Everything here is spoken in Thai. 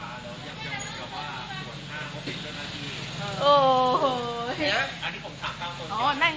เขาก็บอกว่านอกจากการ๘สตรกาล